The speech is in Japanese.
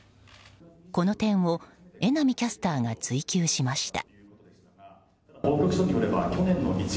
この点を榎並キャスターが追及しました。